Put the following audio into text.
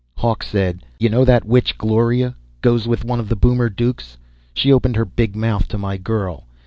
Hawk said, "You know that witch Gloria, goes with one of the Boomer Dukes? She opened her big mouth to my girl.